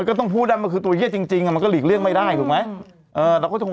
ก็ต้องพูดได้มันคือตัวเยียจริงมันก็หลีกเลี่ยงไม่ได้ถูกไหม